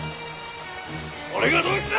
それがどうした！